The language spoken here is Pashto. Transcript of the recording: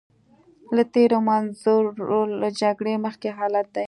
له تېر منظور له جګړې مخکې حالت دی.